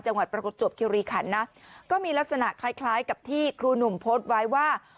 จังหวัดประกฎจวบคิวรีคันนะก็มีลักษณะคล้ายกับที่ครูหนุ่มโพสไว้ว่า